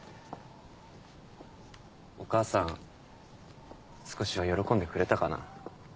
お母さん少しは喜んでくれたかな。